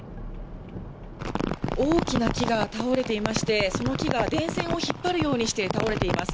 大きな木が倒れていまして、その木が電線を引っ張るようにして倒れています。